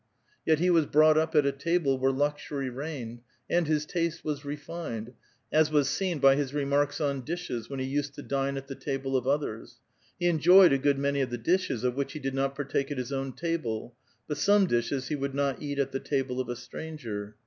Yet he was brouglit up at a table vrliei'e luxury reigned, aud his taste was refined, as was seen t>y his remarks on dishes, when lie used to dine at the table of others. He enjoyed a good manj' of the dishes of which he [lid not partake at his own table, but some dishes he would not eat at the table of a stranger.